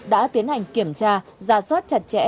đã tiến hành kiểm tra giả soát chặt chẽ